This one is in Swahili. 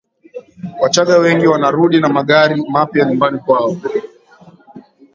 wachaga wengi wanarudi na magari mapya nyumbani kwao